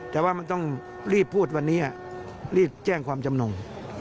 แต่ว่ามันต้องรีบพูดวันนี้รีบแจ้งความจำนง